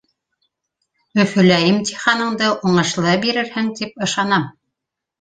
Өфөлә лә имтиханыңды уңышлы бирерһең тип ышанам.